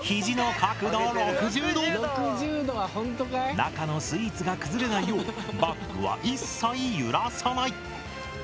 中のスイーツが崩れないようバッグは一切揺らさない。